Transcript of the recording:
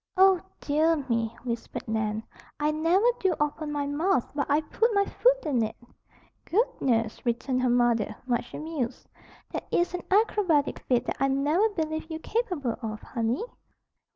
"Oh, dear me!" whispered Nan. "I never do open my mouth but I put my foot in it!" "Goodness!" returned her mother, much amused. "That is an acrobatic feat that I never believed you capable of, honey."